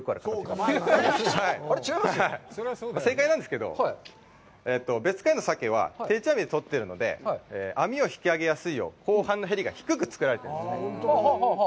正解なんですけど、別海の鮭は定置網で取っているので、網を引き揚げやすいよう甲板のヘリが低く造られているんですね。